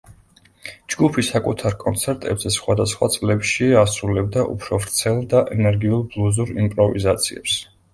ჯგუფი საკუთარ კონცერტებზე სხვადასხვა წლებში ასრულებდა უფრო ვრცელ და ენერგიულ ბლუზურ იმპროვიზაციებს.